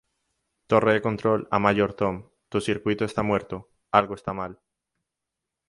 Torre de Control a Mayor Tom, tu circuito está muerto, algo está mal.